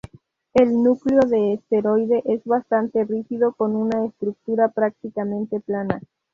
El núcleo de esteroide es bastante rígido con una estructura prácticamente plana.